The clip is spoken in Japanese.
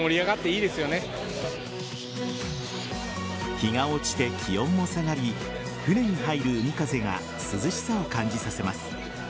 日が落ちて、気温も下がり船に入る海風が涼しさを感じさせます。